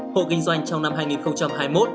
hộ kinh doanh trong năm hai nghìn hai mươi một